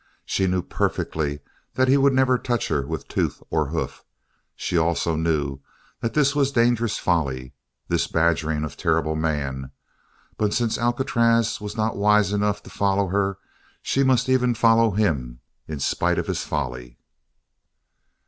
She knew perfectly that he would never touched her with tooth or hoof; she also knew that this was dangerous folly this badgering of terrible man, but since Alcatraz was not wise enough to follow her she must even follow him in spite of his folly.